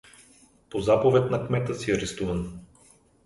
По заповед на кмета си арестуван.